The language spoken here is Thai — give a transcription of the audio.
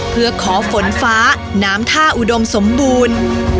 เพื่อขอฝนฟ้าน้ำท่าอุดมสมบูรณ์